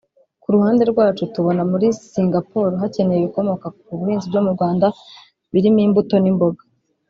Ku ruhande rwacu tubona muri Singapore hakenewe ibikomoka ku buhinzi byo mu Rwanda birimo imbuto n’imboga